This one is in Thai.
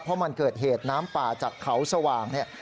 เพราะมันเกิดเหตุน้ำป่าจากเขาสว่างเนี่ย